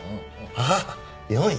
ああ４位。